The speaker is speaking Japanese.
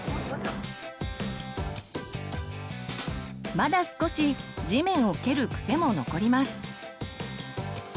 まだ少し地面を蹴る癖も残ります。